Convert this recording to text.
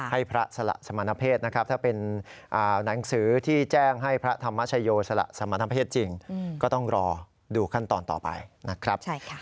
ให้พระสละสมณเพศนะครับ